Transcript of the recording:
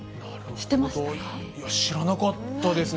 知らなかったですね。